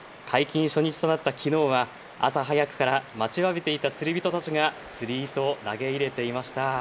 解禁初日となったきのうは朝早くから待ちわびていた釣り人たちが釣り糸を投げ入れていました。